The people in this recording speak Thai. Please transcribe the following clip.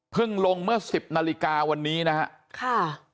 เพิ่งลงเมื่อสิบนาฬิกาวันนี้นะฮะค่ะ